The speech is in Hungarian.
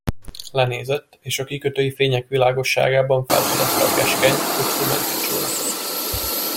Lenézett, és a kikötői fények világosságában felfedezte a keskeny, hosszú mentőcsónakot.